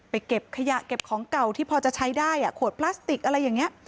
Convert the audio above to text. เก็บขยะเก็บของเก่าที่พอจะใช้ได้ขวดพลาสติกอะไรอย่างนี้